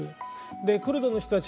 でクルドの人たち